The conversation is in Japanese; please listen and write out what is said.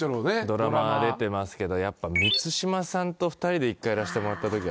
ドラマ出てますけどやっぱ満島さんと２人で１回やらせてもらったときがあった。